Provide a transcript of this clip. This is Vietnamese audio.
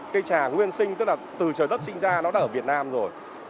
cây trà nguyên sinh tức là từ trời đất sinh ra nó đã ở việt nam rồi